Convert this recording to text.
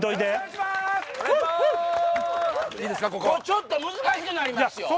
ちょっと難しくなりますよ。